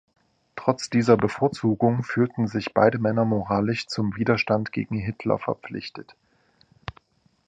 Trotz dieser Bevorzugung fühlten sich beide Männer moralisch zum Widerstand gegen Hitler verpflichtet.